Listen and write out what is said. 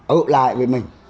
ở lại với mình